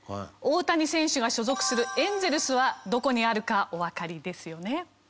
大谷選手が所属するエンゼルスはどこにあるかおわかりですよね？